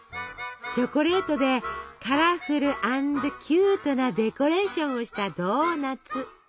チョコレートでカラフル＆キュートなデコレーションをしたドーナツ。